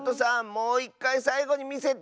もういっかいさいごにみせて！